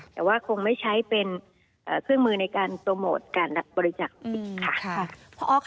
แต่ว่าคงไม่ใช้เป็นเครื่องมือในการโปรโมทการรับบริจักษ์อีกค่ะ